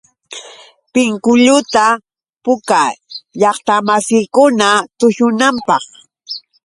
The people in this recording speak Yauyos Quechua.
Pinkulluta puukaa llaqtamasiikuna tushunanpaq.